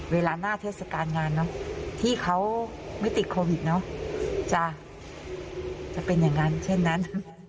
เวลาหน้าเทศกาลงานเนอะที่เขาไม่ติดโควิดเนอะจะเป็นอย่างนั้นเช่นนั้น